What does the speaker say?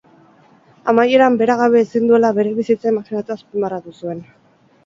Amaieran, bera gabe ezin duela bere bizitza imajinatu azpimarratu zuen.